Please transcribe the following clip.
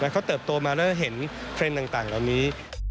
เขาเติบโตมาแล้วเห็นเทรนด์ต่างเหล่านี้